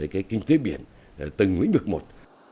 cái kinh tế biển từng lĩnh vực một